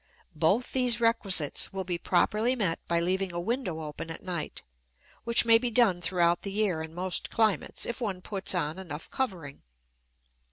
Both these requisites will be properly met by leaving a window open at night, which may be done throughout the year in most climates, if one puts on enough covering.